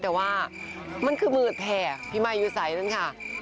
แต่ว่ามันคือมือแห่พี่มายอยู่ใสนั่นค่ะ